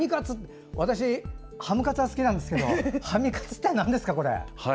私、ハムカツは好きなんですけどハミ活ってなんですか？